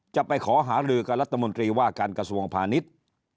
จะไปขอหารือกับรัฐมนตรีว่าการกระทรวงพาณิชย์